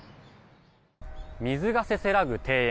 水がせせらぐ庭園。